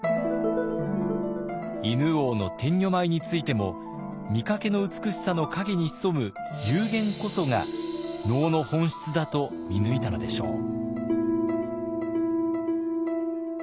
犬王の天女舞についても見かけの美しさの陰に潜む幽玄こそが能の本質だと見抜いたのでしょう。